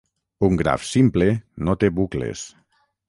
Un graf simple no té bucles.